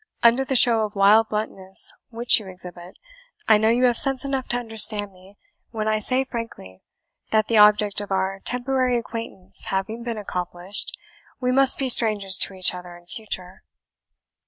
Under the show of wild bluntness which you exhibit, I know you have sense enough to understand me, when I say frankly that the object of our temporary acquaintance having been accomplished, we must be strangers to each other in future."